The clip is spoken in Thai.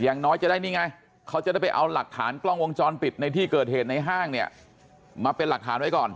อย่างน้อยจะได้นี่ไงเขาจะได้ไปเอาหลักฐานกล้องวงจรปิดในที่เกิดเหตุในห้างเนี่ยมาเป็นหลักฐานไว้ก่อน